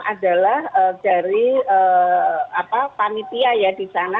adalah dari panitia ya di sana